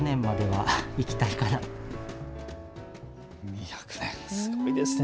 ２００年、すごいですね。